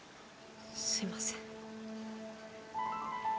すみません。